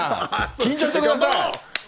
緊張してください。